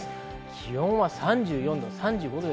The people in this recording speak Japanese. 気温は３４度、３５度。